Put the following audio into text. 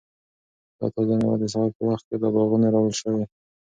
دا تازه مېوې د سهار په وخت کې له باغونو راوړل شوي.